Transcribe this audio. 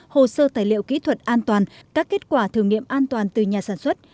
hồ sơ tài liệu kỹ thuật an toàn các kết quả thử nghiệm an toàn từ nhà sản xuất